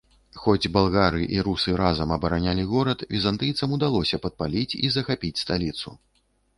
Хоць балгары і русы разам абаранялі горад, візантыйцам удалося падпаліць і захапіць сталіцу.